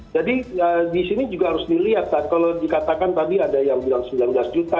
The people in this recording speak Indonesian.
jadi di sini juga harus dilihat kalau dikatakan tadi ada yang bilang sembilan belas juta